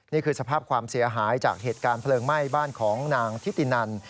นี่คือสภาพความเสียหายจากเหตุการณ์เพลิงไหม้บ้านของนางทิตินัน